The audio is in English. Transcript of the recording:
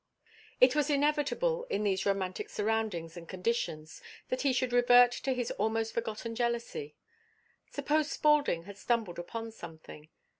It was inevitable in these romantic surroundings and conditions that he should revert to his almost forgotten jealousy. Suppose Spaulding had stumbled upon something....